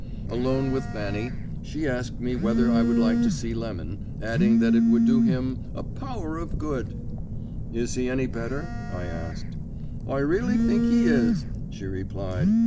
Alone with Fanny, she asked me whether I would like to see Lemon, adding that it would do him "a power of good." "Is he any better?" I asked. "I really think he is," she replied.